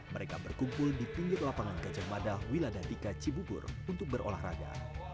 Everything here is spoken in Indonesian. mereka berkumpul di tinggi lapangan kejamada wiladatika cibubur untuk berolahraga